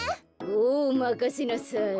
おまかせなさい。